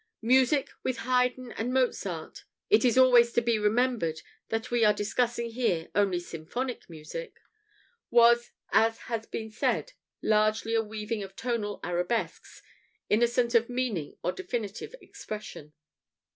Music, with Haydn and Mozart (it is always to be remembered that we are discussing here only symphonic music) was, as has been said, largely a weaving of tonal arabesques, innocent of meaning or definite expression.